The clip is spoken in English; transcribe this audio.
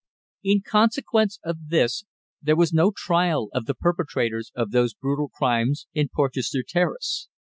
In consequence of this there was no trial of the perpetrators of those brutal crimes in Porchester Terrace.